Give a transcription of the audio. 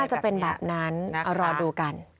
จะเป็นแบบนั้นเอารอดูกัน